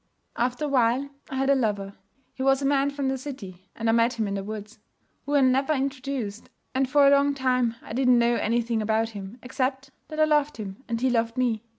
'After a while I had a lover. He was a man from the city, and I met him in the woods. We were never introduced; and, for a long time, I didn't know anything about him except that I loved him and he loved me.